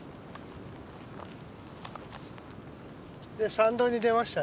参道に出ましたね。